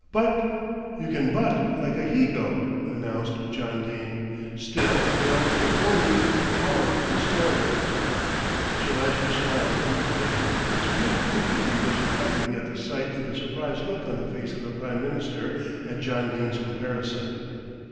"But " "You can but like a he goat," announced John Dene, "still there'll be only our Destroyer." Sir Lyster smiled inwardly. His bruised dignity was recovering at the sight of the surprised look on the face of the Prime Minister at John Dene's comparison.